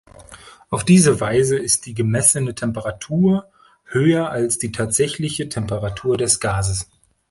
Auf diese Weise ist die gemessene Temperatur höher als die tatsächliche Temperatur des Gases.